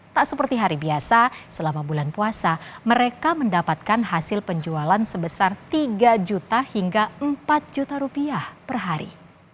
tak seperti hari biasa selama bulan puasa mereka mendapatkan hasil penjualan sebesar tiga juta hingga empat juta rupiah per hari